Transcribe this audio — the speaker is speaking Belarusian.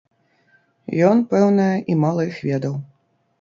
Ён, пэўна, і мала іх ведаў.